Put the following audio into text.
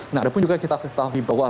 nah ada pun juga kita ketahui bahwa